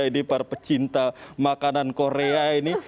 ini para pecinta makanan korea ini